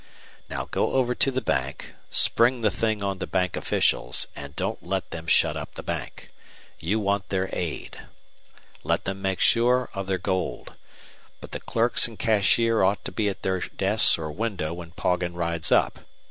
Now go over to the bank, spring the thing on the bank officials, and don't let them shut up the bank. You want their aid. Let them make sure of their gold. But the clerks and cashier ought to be at their desks or window when Poggin rides up.